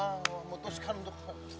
kau putuskan untuk